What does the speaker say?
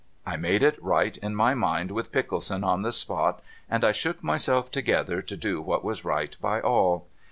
I made it right in my mind with Pickleson on the spot, and I shook my sell together to do what was right by all.